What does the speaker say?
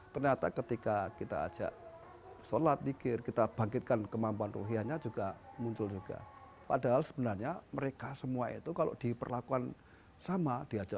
banyak dari mereka yang ditelantarkan oleh keluarga dan tidak diterima di lingkungan sekitar